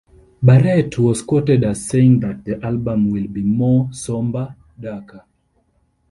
Barrett was quoted as saying that the album will be "more somber, darker".